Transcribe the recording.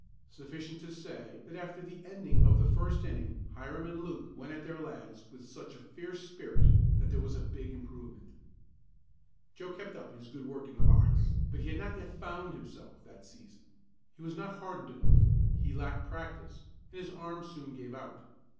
Sufficient to say that after the ending of the first inning Hiram and Luke went at their lads in such a fierce spirit that there was a big improvement. Joe kept up his good work in the box, but he had not yet "found" himself that season. He was not hardened enough; he lacked practice, and his arm soon gave out.